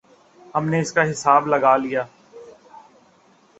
ہم نے اس کا حساب لگا لیا۔